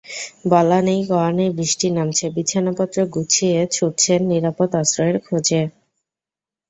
বলা নেই কওয়া নেই বৃষ্টি নামছে, বিছানাপত্র গুছিয়ে ছুটছেন নিরাপদ আশ্রয়ের খোঁজে।